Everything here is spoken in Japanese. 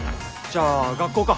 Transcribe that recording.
じゃあ学校か。